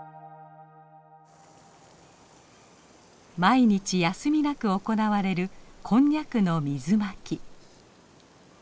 毎日休みなく行われるこんにゃくの水まき。